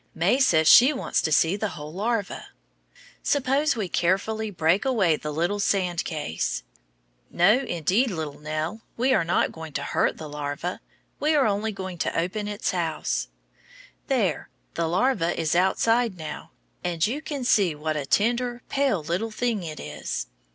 May says she wants to see the whole larva. Suppose we carefully break away the little sand case. No, indeed, little Nell, we are not going to hurt the larva; we are only going to open its house. There, the larva is outside now, and you can see what a tender, pale little thing it is.